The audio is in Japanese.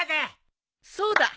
そうだ。